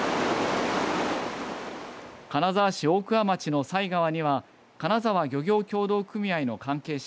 金沢市大桑町の犀川には金沢漁業協同組合の関係者